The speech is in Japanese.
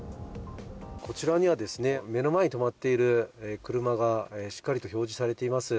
こちらには目の前に止まっている車がしっかりと表示されています。